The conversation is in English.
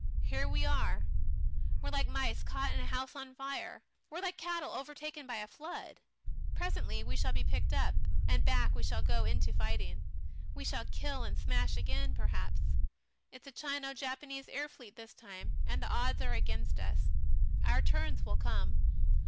Here we are! We're like mice caught in a house on fire, we're like cattle overtaken by a flood. Presently we shall be picked up, and back we shall go into the fighting. We shall kill and smash again perhaps. It's a Chino Japanese air fleet this time, and the odds are against us. Our turns will come.